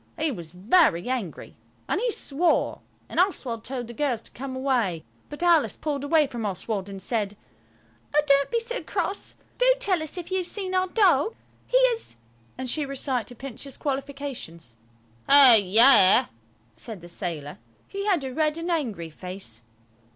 He was very angry, and he swore, and Oswald told the girls to come away; but Alice pulled away from Oswald and said, "Oh, don't be so cross. Do tell us if you've seen our dog? He is–," and she recited Pincher's qualifications. "Ho yes," said the sailor–he had a red and angry face.